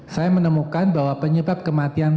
saya menemukan bahwa penyebab kematian